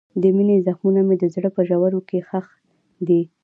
د مینې زخمونه مې د زړه په ژورو کې ښخ دي.